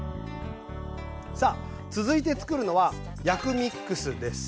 さあ続いてつくるのは薬味ックスです。